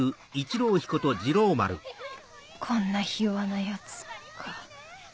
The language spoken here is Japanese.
「こんなひ弱な奴」か。